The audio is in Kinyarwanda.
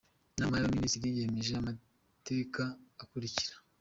Inama y‟Abaminisitiri yemeje amateka akurikira :